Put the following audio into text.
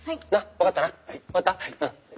分かった？